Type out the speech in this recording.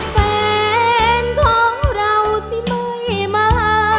แฟนของเราสิไม่มา